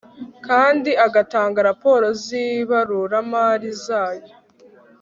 kandi agatanga raporo z ibaruramari zayo